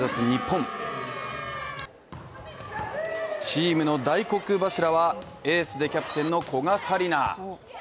チームの大黒柱はエ−スでキャプテンの古賀紗理那。